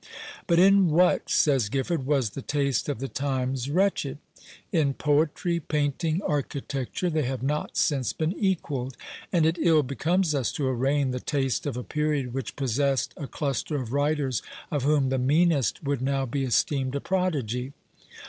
"But in what," says Gifford, "was the taste of the times wretched? In poetry, painting, architecture, they have not since been equalled; and it ill becomes us to arraign the taste of a period which possessed a cluster of writers of whom the meanest would now be esteemed a prodigy."